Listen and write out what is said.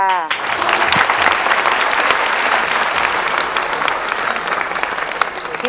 ร้องได้